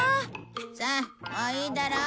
さあもういいだろ。